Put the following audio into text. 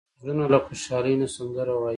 غوږونه له خوشحالۍ نه سندره وايي